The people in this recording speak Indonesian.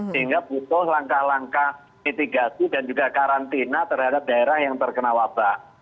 sehingga butuh langkah langkah mitigasi dan juga karantina terhadap daerah yang terkena wabah